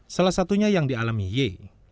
salah satunya yang dialami y